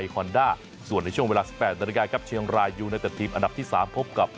หนัดที่๖สัปดาห์นี้นะครับ